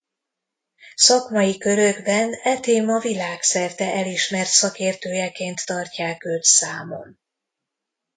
Szakmai körökben e téma világszerte elismert szakértőjeként tartják őt számon.